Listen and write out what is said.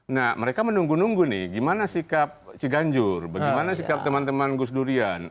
nah mereka menunggu nunggu nih gimana sikap ciganjur bagaimana sikap teman teman gus durian